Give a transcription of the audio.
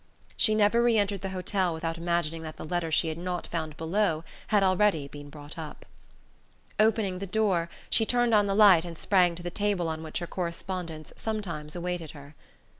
She never re entered the hotel without imagining that the letter she had not found below had already been brought up. Opening the door, she turned on the light and sprang to the table on which her correspondence sometimes awaited her.